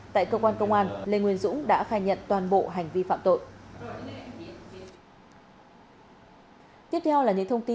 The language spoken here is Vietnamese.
tại cơ quan công an lê nguyên dũng đã khai nhận toàn bộ hành vi phạm tội